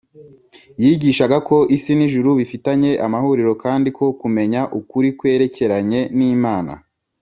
yigishaga ko isi n’ijuru bifitanye amahuriro kandi ko kumenya ukuri kwerekeranye n’imana